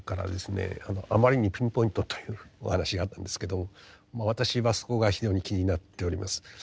あまりにピンポイントというお話があったんですけども私はそこが非常に気になっております。